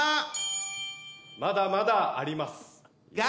まだまだあります。